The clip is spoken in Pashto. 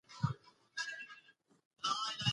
که تال وي نو موزیک نه بې نظمه کیږي.